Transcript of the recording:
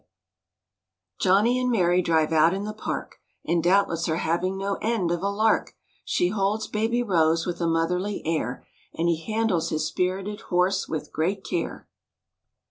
Johnny and Mary drive out in the Park, And doubtless are having no end of a lark; She holds Baby Rose with a motherly air, And he handles his spirited horse with great care.